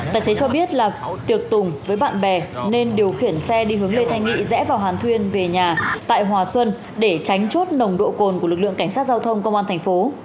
tài xế cho biết là tiệc tùng với bạn bè nên điều khiển xe đi hướng lê thanh nghị rẽ vào hàn thuyên về nhà tại hòa xuân để tránh chốt nồng độ cồn của lực lượng cảnh sát giao thông công an thành phố